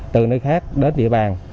từ nơi khác đến địa bàn